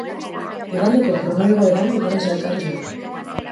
Igandeko kronoigoeran bigarren sailkatu zen.